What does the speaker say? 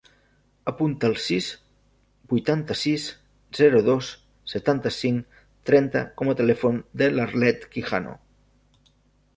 Apunta el sis, vuitanta-sis, zero, dos, setanta-cinc, trenta com a telèfon de l'Arlet Quijano.